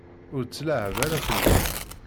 Ur tt-leεεeb ara fell-i!